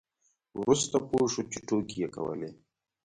وروسته پوه شو چې ټوکې یې کولې.